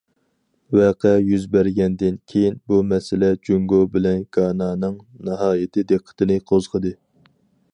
ۋەقە يۈز بەرگەندىن كېيىن، بۇ مەسىلە جۇڭگو بىلەن گانانىڭ ناھايىتى دىققىتىنى قوزغىدى.